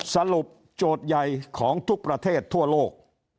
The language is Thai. โจทย์ใหญ่ของทุกประเทศทั่วโลก